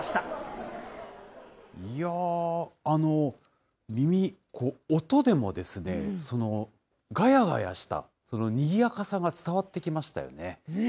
いやあ、耳、音でもですね、その、がやがやしたにぎやかさが伝わってきましたよね。